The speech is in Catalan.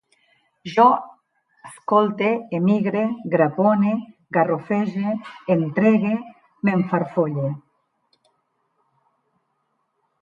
Jo escolte, emigre, grapone, garrofege, entregue, m'enfarfolle